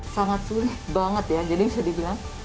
sangat sulit banget ya jadi bisa dibilang